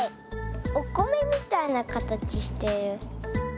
おこめみたいなかたちしてる。